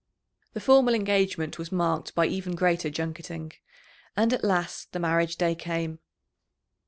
The formal engagement was marked by even greater junketing, and at last the marriage day came.